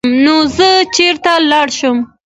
نو زۀ چرته لاړ شم ـ